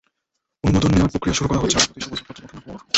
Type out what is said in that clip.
অনুমোদন নেওয়ার প্রক্রিয়া শুরু করা হচ্ছে আদালতে এসব অভিযোগপত্র পাঠানোর পর।